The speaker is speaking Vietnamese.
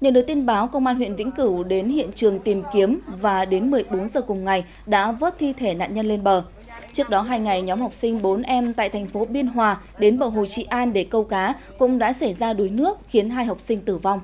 nhận được tin báo công an huyện vĩnh cửu đến hiện trường tìm kiếm và đến một mươi bốn giờ cùng ngày đã vớt thi thể nạn nhân lên bờ trước đó hai ngày nhóm học sinh bốn em tại thành phố biên hòa đến bờ hồ trị an để câu cá cũng đã xảy ra đuối nước khiến hai học sinh tử vong